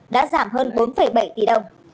đã giảm hơn bốn bảy tỷ đồng